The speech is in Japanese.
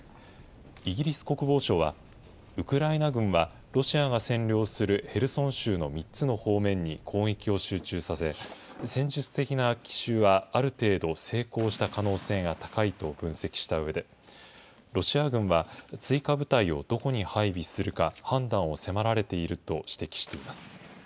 イギリス国防省は、ウクライナ軍はロシアが占領するヘルソン州の３つの方面に攻撃を集中させ、戦術的な奇襲はある程度成功した可能性が高いと分析したうえで、ロシア軍は追加部隊をどこに配備するか判断を迫られていると指摘しています。